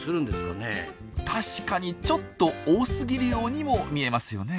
確かにちょっと多すぎるようにも見えますよね。